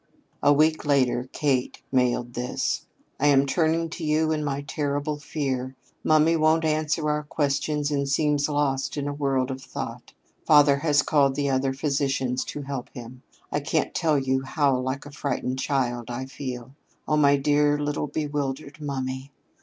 A week later Kate mailed this: "I am turning to you in my terrible fear. Mummy won't answer our questions and seems lost in a world of thought. Father has called in other physicians to help him. I can't tell you how like a frightened child I feel. Oh, my poor little bewildered mummy!